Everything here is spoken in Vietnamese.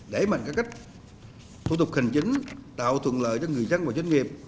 đẩy mạnh các cách thủ tục hành chính tạo thuận lợi cho người dân và doanh nghiệp